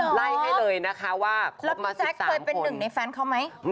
อ๋อเหรอแล้วแจ๊คเคยเป็นหนึ่งในแฟนเขาไหมไล่ให้เลยนะคะว่าคบมา๑๓คน